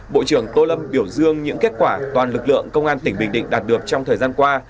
bộ trưởng tô lâm biểu dương những kết quả toàn lực lượng công an tỉnh bình định đạt được trong thời gian qua